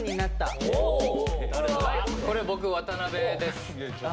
これ僕渡辺です。